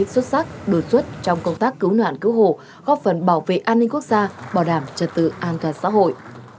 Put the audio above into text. xuất sắc đột xuất trong công tác cứu nạn cứu hộ góp phần bảo vệ an ninh quốc gia bảo đảm trật tự an toàn xã hội